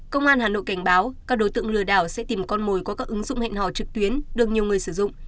công an hà nội cảnh báo các đối tượng lừa đảo sẽ tìm con mồi qua các ứng dụng hẹn hò trực tuyến được nhiều người sử dụng